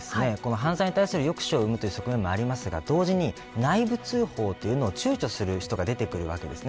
犯罪に対する抑止を生むという側面もありますが同時に内部通報をちゅうちょする人が出てくるわけです。